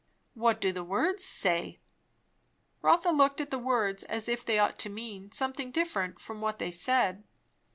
"What do the words say?" Rotha looked at the words, as if they ought to mean something different from what they said.